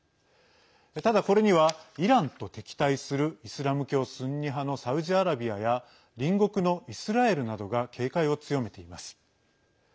ただ、これにはイランと敵対するイスラム教スンニ派のサウジアラビアや隣国のイスラエルなどが警戒を強めています。